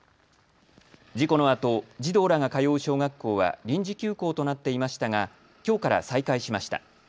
事故のあと児童らが通う小学校は臨時休校となっていましたがきょうから再開しました。